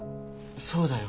そうだよ。